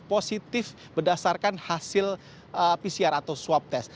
positif berdasarkan hasil pcr atau swab test